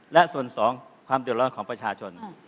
และส่วนสองความเดือดร้อนของประชาชน